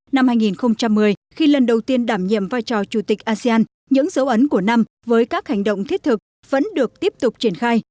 năm hai nghìn một mươi khi lần đầu tiên đảm nhiệm vai trò chủ tịch asean những dấu ấn của năm với các hành động thiết thực vẫn được tiếp tục triển khai